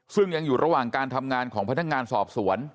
ซึ่งยังอยู่ระหว่างการทำงานของพนักงานสอบสวน